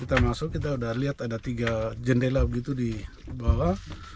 kita masuk kita udah liat ada tiga jendela gitu di bawah